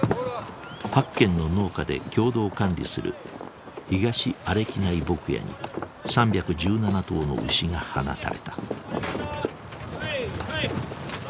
８軒の農家で共同管理する東阿歴内牧野に３１７頭の牛が放たれた。